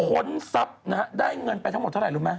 ค้นทรัพย์นะฮะได้เงินไปทั้งหมดเท่าไหร่รู้ไหม